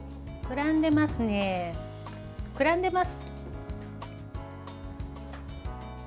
膨らんでます。